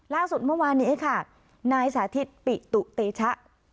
ล่าสุดเมื่อวานนี้ค่ะนายสาธิตปิตุเตชะ